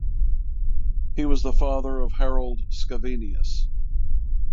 He was the father of Harald Scavenius.